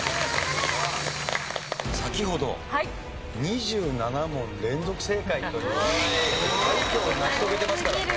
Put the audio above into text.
先ほど２７問連続正解という快挙を成し遂げてますからね。